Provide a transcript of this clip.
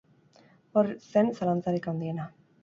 Hori zen zalantzarik handiena.